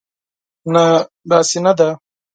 نه، داسې نه ده.